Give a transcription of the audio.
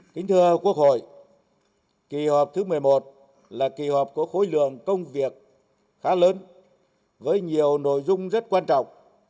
kính thưa quốc hội kỳ họp thứ một mươi một là kỳ họp có khối lượng công việc khá lớn với nhiều nội dung rất quan trọng